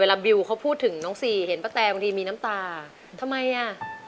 บิวเขาพูดถึงน้องซีเห็นป้าแตบางทีมีน้ำตาทำไมอ่ะ